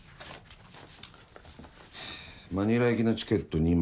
はぁマニラ行きのチケット２枚。